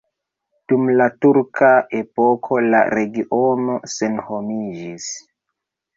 Dum la turka epoko la regiono senhomiĝis.